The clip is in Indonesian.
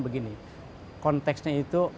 begini konteksnya itu